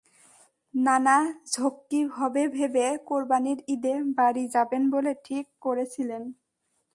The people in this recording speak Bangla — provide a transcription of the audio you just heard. নানা ঝক্কি হবে ভেবে কোরবানির ঈদে বাড়ি যাবেন বলে ঠিক করেছিলেন।